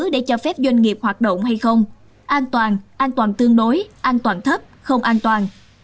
để cho phép doanh nghiệp hoạt động hay không an toàn an toàn tương đối an toàn thấp không an toàn